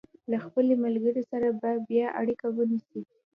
له خپلې ملګرې سره به بیا اړیکه ونیسي.